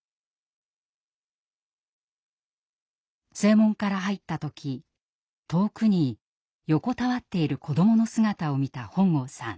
正門から入った時遠くに横たわっている子どもの姿を見た本郷さん。